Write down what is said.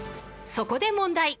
［そこで問題］